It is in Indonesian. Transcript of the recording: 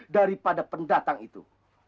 daripada pendatang itu